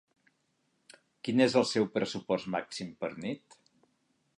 Quin és el seu pressupost màxim per nit?